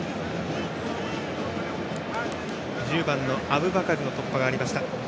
１０番のアブバカルの突破がありました。